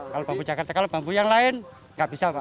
kalau bambu jakarta kalau bambu yang lain nggak bisa pak